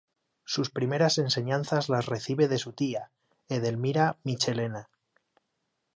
Sus primeras enseñanzas las recibe de su tía, Edelmira Michelena.